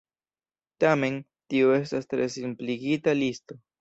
Tamen, tio estas tre simpligita listo.